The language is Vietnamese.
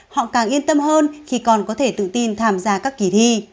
họ càng yên tâm hơn khi con có thể tự tin tham gia các kỳ thi